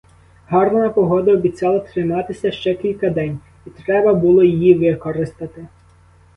Гарна погода обіцяла триматися ще кілька день, і треба було її використати.